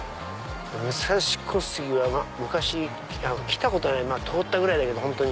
武蔵小杉は昔来たことないまぁ通ったぐらいだけど。